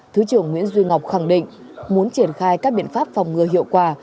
thứ trưởng nguyễn duy ngọc khẳng định muốn triển khai các biện pháp phòng ngừa hiệu quả